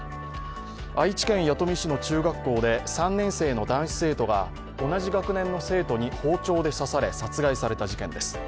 愛知県弥富市の中学校で３年生の男子生徒が同じ学年の生徒に包丁で刺され殺害された事件です。